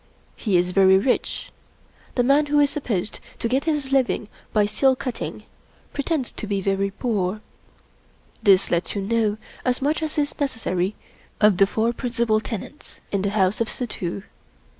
He is very rich. The man who is supposed to get his living by seal cutting pretends to be very poor. This lets you know as much as is necessary of the four principal tenants in the house of Suddhoo.